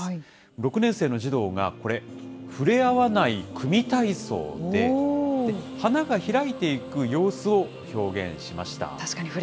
６年生の児童がこれ、触れ合わない組み体操で、花が開いていく様子を表現しました。